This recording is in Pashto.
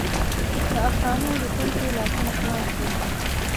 د افسانو لیکلو کې لاسونه خلاص وي.